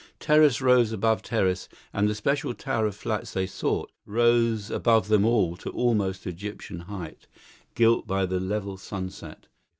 Terrace rose above terrace, and the special tower of flats they sought, rose above them all to almost Egyptian height, gilt by the level sunset.